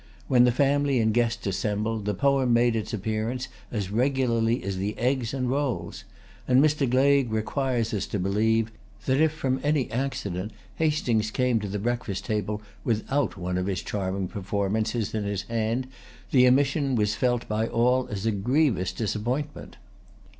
When the family and guests assembled, the poem made its appearance as regularly as the eggs and rolls; and Mr. Gleig requires us to believe that if from any accident Hastings came to the breakfast table without one of his charming performances in his hand, the omission was felt by all as a grievous disappointment.